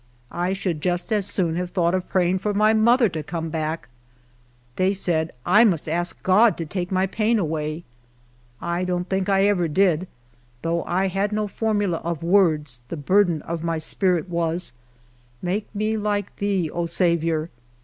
I should just as soon have thoui^ht of praying for my mother to come back. They said I must ask God to take my pain away. I don't think I ever did ; though I had no formula of words, the burden of my spirit was, " Make me like to thee, O Saviour."